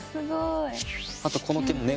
あとこの毛もね